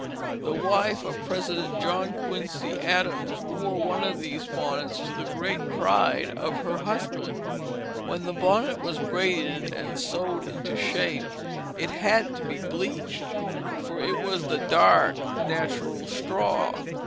The wife of President John Quincy Adams wore one of these bonnets, to the great pride of her husband. When the bonnet was braided and sewed into shape, it had to be bleached, for it was the dark natural straw.